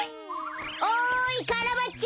おいカラバッチョ！